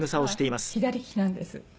私は左利きなんです。